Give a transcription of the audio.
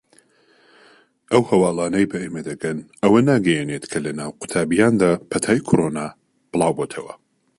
ئەو هەواڵانەی بە ئێمە دەگەن ئەوە ناگەیەنێت کە لەناو قوتابییاندا پەتای کۆرۆنا بڵاوبۆتەوە.